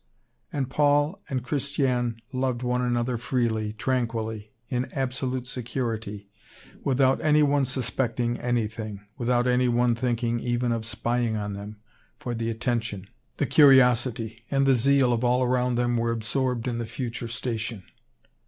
And Paul and Christiane loved one another freely, tranquilly, in absolute security, without anyone suspecting anything, without anyone thinking even of spying on them, for the attention, the curiosity, and the zeal of all around them were absorbed in the future station.